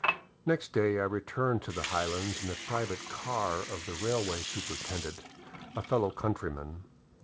Next day I returned to the highlands in the private car of the railway superintendent, a fellow countryman.